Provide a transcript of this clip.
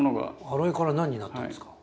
アロエから何になったんですか？